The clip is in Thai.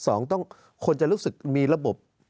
สองคนจะรู้สึกมีระบบ